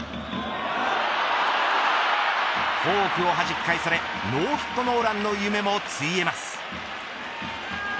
フォークをはじき返されノーヒットノーランの夢もついえます。